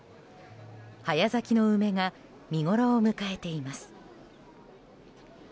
早咲きの梅が見ごろを迎えています。